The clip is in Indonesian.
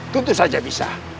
tentu saja bisa